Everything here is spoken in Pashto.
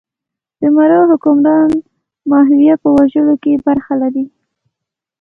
د مرو حکمران ماهویه په وژلو کې برخه لري.